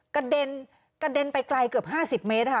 กระเด็นไปไกลเกือบ๕๐เมตรค่ะ